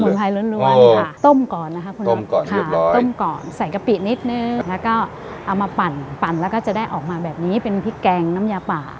ไพรล้วนค่ะต้มก่อนนะคะคุณน็อตก่อนค่ะต้มก่อนใส่กะปินิดนึงแล้วก็เอามาปั่นปั่นแล้วก็จะได้ออกมาแบบนี้เป็นพริกแกงน้ำยาป่า